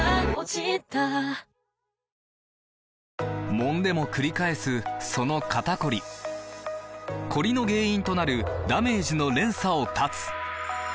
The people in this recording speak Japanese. もんでもくり返すその肩こりコリの原因となるダメージの連鎖を断つ！